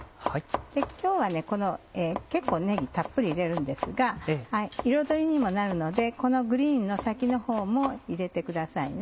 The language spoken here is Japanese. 今日は結構ねぎたっぷり入れるんですが彩りにもなるのでこのグリーンの先のほうも入れてください。